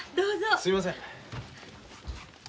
すいません。